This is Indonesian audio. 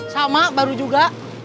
sama baru juga